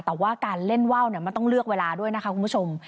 แต่ว่าการเล่นว่าวมันต้องเลือกเวลาด้วยนะคะคุณผู้ชม